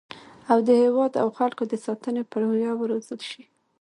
او د هیواد او خلکو د ساتنې په روحیه وروزل شي